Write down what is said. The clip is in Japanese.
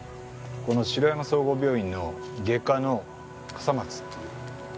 この白山総合病院の外科の笠松っていう。